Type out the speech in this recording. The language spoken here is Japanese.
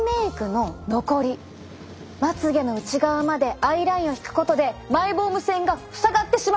まつ毛の内側までアイラインを引くことでマイボーム腺が塞がってしまうんです！